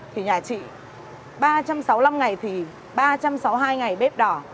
thì nhà chị ba trăm sáu mươi năm ngày thì ba trăm sáu mươi hai ngày bếp đỏ